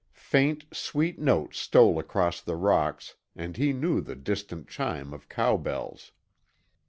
Faint, sweet notes stole across the rocks and he knew the distant chime of cow bells.